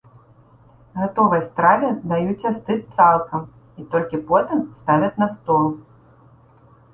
Гатовай страве даюць астыць цалкам і толькі потым ставяць на стол.